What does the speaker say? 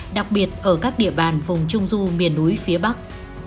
đặc biệt ở các địa bàn vùng trung du miền núi phía bắc